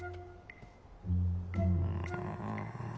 うん。